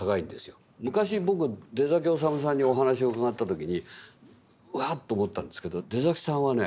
昔僕出統さんにお話を伺った時にうわっと思ったんですけど出さんはね